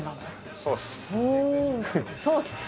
そうっす。